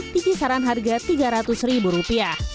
dikisaran harga rp tiga ratus